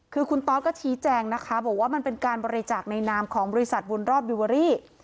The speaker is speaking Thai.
คือคุณตอสก็ชี้แจงนะคะบอกว่ามันเป็นการบริจาคในนามของบริษัทบุญรอดวิเวอรี่